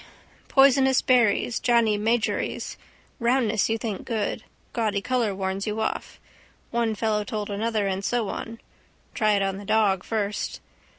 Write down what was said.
Poisonous berries. Johnny Magories. Roundness you think good. Gaudy colour warns you off. One fellow told another and so on. Try it on the dog first.